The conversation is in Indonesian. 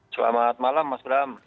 selamat malam mas bram